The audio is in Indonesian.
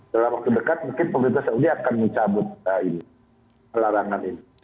dalam waktu dekat mungkin pemerintah saudi akan mencabut larangan ini